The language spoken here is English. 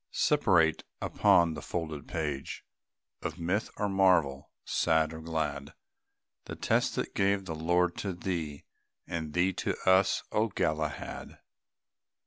Separate, upon the folded page Of myth or marvel, sad or glad, The test that gave the Lord to thee, And thee to us, O Galahad!